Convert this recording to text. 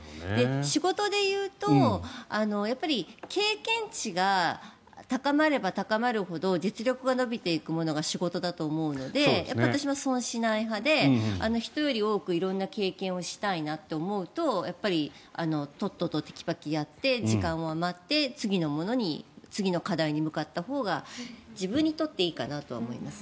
仕事でいうと経験値が高まれば高まるほど実力が伸びていくのが仕事だと思うのでやっぱり私も損しない派で人より多く色んな経験をしたいなと思うととっととテキパキやって時間を余らせて次のものに次の課題に向かったほうが自分にとっていいかなと思います。